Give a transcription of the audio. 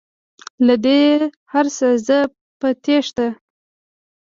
له دې هرڅه زه په تیښته